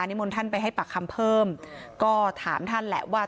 มนต์ท่านไปให้ปากคำเพิ่มก็ถามท่านแหละว่า